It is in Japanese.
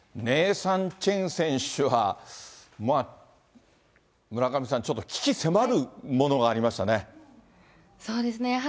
ネイサン・チェン選手は、まあ、村上さん、ちょっと鬼気迫るものがありましたね。